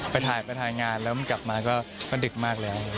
ไปถ่ายงานแล้วมันกลับมาก็ดึกมากแล้ว